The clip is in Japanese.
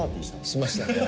しましたね。